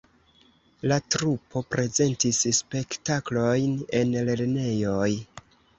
La trupo prezentis spektaklojn en lernejoj.